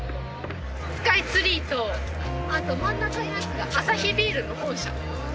スカイツリーとあと真ん中のやつがアサヒビールの本社。